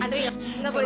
andre aku gak boleh